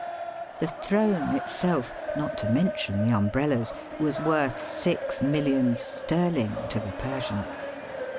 The throne itself, not to mention the um brellas, was worth six millions sterling to the Persian.